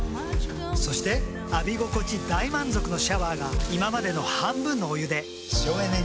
そして浴び心地大満足のシャワーが今までの半分のお湯で省エネに。